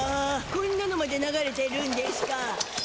こんなのまで流れてるんでしゅか。